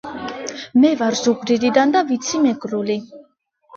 მე ვარ ზუგდიდიდან და ვიცი მეგრული.